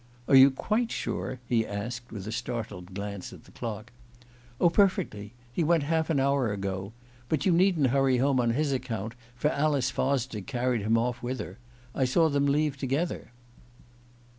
"Are you quite sure?" he asked, with a startled glance at the clock. "Oh, perfectly. He went half an hour ago. But you needn't hurry home on his account, for Alice Fosdick carried him off with her. I saw them leave together."